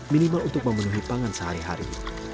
minimal untuk memenuhi pangan sehari hari